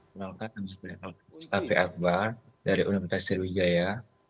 selamat datang saya pak afi akbar dari universitas seruwijaya